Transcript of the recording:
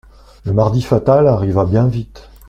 Le mardi fatal arriva bien vite.